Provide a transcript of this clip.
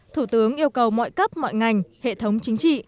thủ tướng yêu cầu mọi cấp mọi ngành hệ thống chính trị